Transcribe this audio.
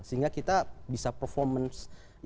sehingga kita bisa performance yang bisa kita capai